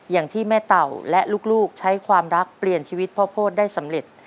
อย่างที่แม่เต่าและลูกใช้ความรักเปลี่ยนชีวิตพ่อโพธิได้สำเร็จ